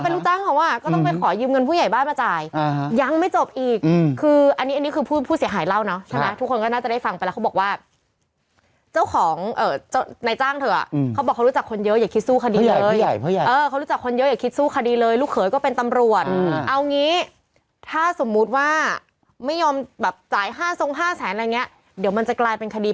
เป็นลูกจ้างเขาอ่ะก็ต้องไปขอยืมเงินผู้ใหญ่บ้านมาจ่ายยังไม่จบอีกคืออันนี้อันนี้คือผู้เสียหายเล่าเนอะใช่ไหมทุกคนก็น่าจะได้ฟังไปแล้วเขาบอกว่าเจ้าของนายจ้างเถอะเขาบอกเขารู้จักคนเยอะอย่าคิดสู้คดีเลยผู้ใหญ่เออเขารู้จักคนเยอะอย่าคิดสู้คดีเลยลูกเขยก็เป็นตำรวจเอางี้ถ้าสมมุติว่าไม่ยอมแบบจ่ายห้าทรงห้าแสนอะไรอย่างเงี้ยเดี๋ยวมันจะกลายเป็นคดี